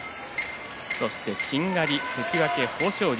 そして、しんがり関脇豊昇龍。